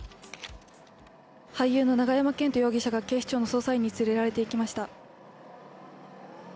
俳優の永山絢斗容疑者が警視庁の捜査員に連れられていきました。